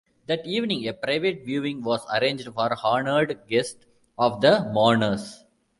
That evening, a private viewing was arranged for honored guests of the mourners.